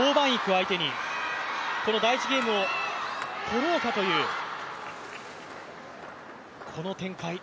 相手にこの第１ゲームを取ろうかという、この展開。